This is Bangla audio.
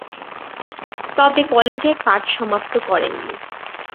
তবে কলেজের পাঠ সমাপ্ত করেননি।